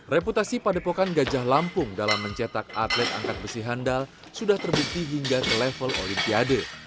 reputasi padepokan gajah lampung dalam mencetak atlet angkat besi handal sudah terbukti hingga ke level olimpiade